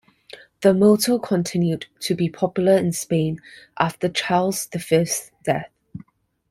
The motto continued to be popular in Spain after Charles the Fifth's death.